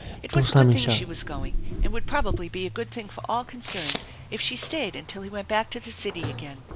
It was a good thing she was going, and would probably be a good thing for all concerned if she stayed until he went back to the city again.